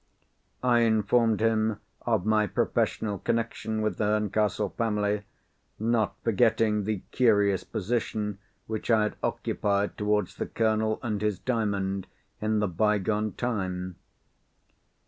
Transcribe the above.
I informed him of my professional connection with the Herncastle family, not forgetting the curious position which I had occupied towards the Colonel and his Diamond in the bygone time.